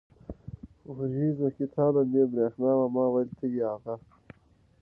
ورېځو کې تالنده برېښنا وه، ما وېل ته يې هغه.